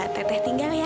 tete tinggal ya